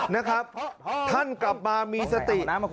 นะครับท่านกลับมามีสติ